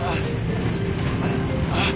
あっ。